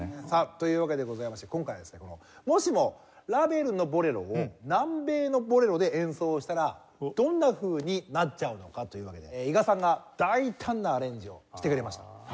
さあというわけでございまして今回はですねもしもラヴェルの『ボレロ』を南米の「ボレロ」で演奏したらどんなふうになっちゃうのか？というわけで伊賀さんが大胆なアレンジをしてくれました。